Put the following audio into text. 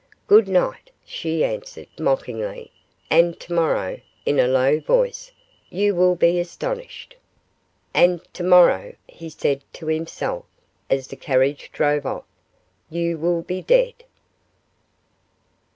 'Good night!' she answered, mockingly; 'and to morrow,' in a low voice, 'you will be astonished.' 'And to morrow,' he said to himself, as the carriage drove off, 'you will be dead.